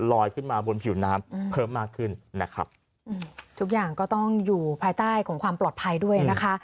ลอยขึ้นมาบนผิวน้ำเพิ่มมากขึ้นนะครับทุกอย่างก็ต้องอยู่ภายใต้ของความปลอดภัยด้วยนะคะ